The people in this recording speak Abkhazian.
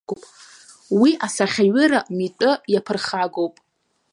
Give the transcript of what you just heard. Уи асахьаҩыра митәы иаԥырхагоуп.